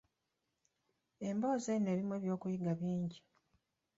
Emboozi eno erimu eby'okuyiga bingi.